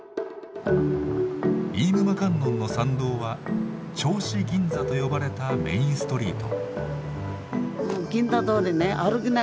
飯沼観音の参道は銚子銀座と呼ばれたメインストリート。